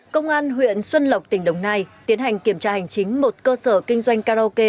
công an huyện xuân lộc tỉnh đồng nai tiến hành kiểm tra hành chính một cơ sở kinh doanh karaoke